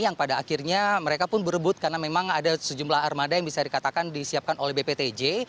yang pada akhirnya mereka pun berebut karena memang ada sejumlah armada yang bisa dikatakan disiapkan oleh bptj